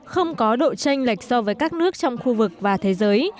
không có độ tranh lệch so với các nước trong khu vực và thế giới